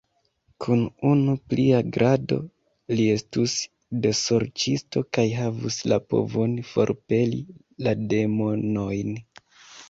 Kun unu plia grado, li estus desorĉisto kaj havus la povon forpeli la demonojn!